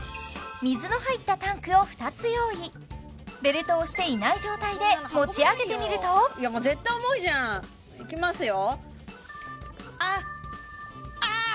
水の入ったタンクを２つ用意ベルトをしていない状態で持ち上げてみるともう絶対重いじゃんいきますよ